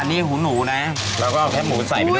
อันนี้หูหนูนะเราก็เอาแค่หมูใส่ไปด้วย